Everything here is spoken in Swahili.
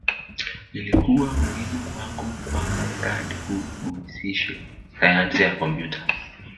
Ilikuwa muhimu kwangu kwamba mradi huu uhusishe Sayansi ya Kompyuta